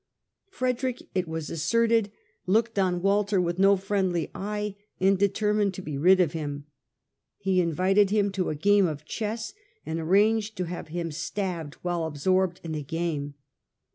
Frederick, it was asserted, looked on Walter with no friendly eye and determined to be rid of him. He invited him to a game of chess, and arranged to have him stabbed while absorbed in the game.